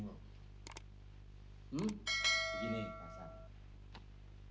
begini pak hasan